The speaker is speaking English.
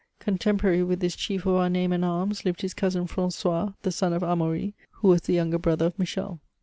Contemporary with this chief of our namie and arms, lived his cousin Fran9ois, the son of Amaury, who was the younger brother of Michel.